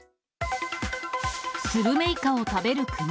スルメイカを食べるクマ。